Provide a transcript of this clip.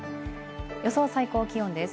予想最高気温です。